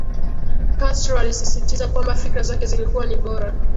Castro alisisitiza kwamba fikra zake zilikuwa ni bora